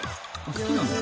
好きなの？